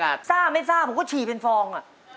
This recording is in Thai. ศ่าหรือไม่ศ่าผมก็ฉี่เป็นฟรอง